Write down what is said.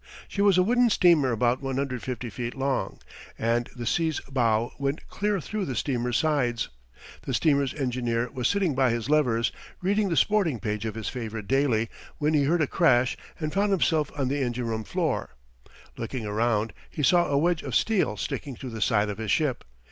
She was a wooden steamer about 150 feet long, and the C's bow went clear through the steamer's sides. The steamer's engineer was sitting by his levers, reading the sporting page of his favorite daily, when he heard a crash and found himself on the engine room floor. Looking around, he saw a wedge of steel sticking through the side of his ship.